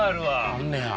あんねや！